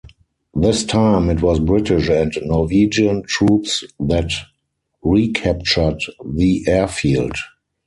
This time, it was British and Norwegian troops that recaptured the airfield.